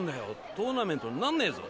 トーナメントになんねぇぞ。